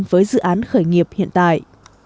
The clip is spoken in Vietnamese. với dự án khởi nghiệp hiện tại